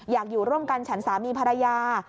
อยู่ร่วมกันฉันสามีภรรยา